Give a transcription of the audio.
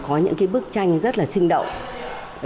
có những bức tranh rất là sinh động